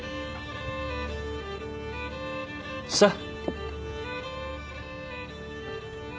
さあ。